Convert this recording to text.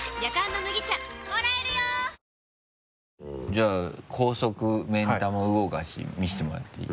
じゃあ高速目ん玉動かし見せてもらっていい？